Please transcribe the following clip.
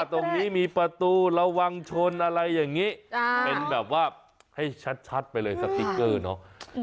จริงครับประตูใสแบบนี้ฉันว่าเตะสติ๊กเกอร์แบบเตือนอายนิดนึงไหม